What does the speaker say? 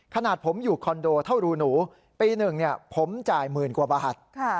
ขนาดผมอยู่คอนโดเท่ารูหนูปีหนึ่งผมจ่ายหมื่นกว่าบาท